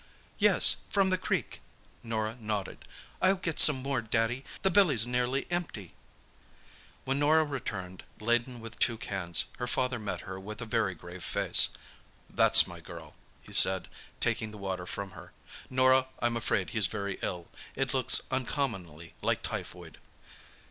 "Yes, from the creek," Norah nodded. "I'll get some more, Daddy; the billy's nearly empty." When Norah returned, laden with two cans, her father met her with a very grave face. "That's my girl," he said, taking the water from her. "Norah, I'm afraid he's very ill. It looks uncommonly like typhoid."